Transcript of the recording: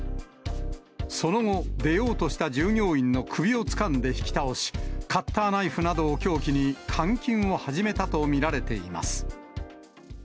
その後、出ようとした従業員の首をつかんで引き倒し、カッターナイフなどを凶器に監禁を始めたと見られています。